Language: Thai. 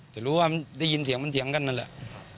แต่รู้ว่าได้ยินเสียงมันเถียงกันนั่นแหละ